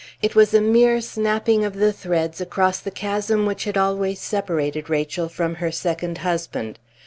It was a mere snapping of the threads across the chasm which had always separated Rachel from her second husband.